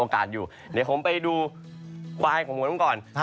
กับบ้าน